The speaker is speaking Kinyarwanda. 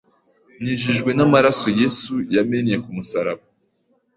Nejejwe n’amaraso Yesu yamennye ku musaraba